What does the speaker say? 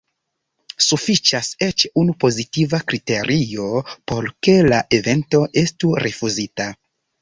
Sufiĉas eĉ unu pozitiva kriterio por ke la evento estu rifuzita.